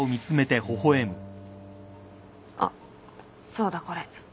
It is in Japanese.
あっそうだこれ。